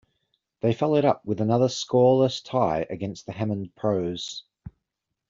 They followed up with another scoreless tie against the Hammond Pros.